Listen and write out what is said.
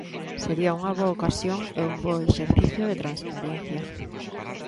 Sería unha boa ocasión e un bo exercicio de transparencia.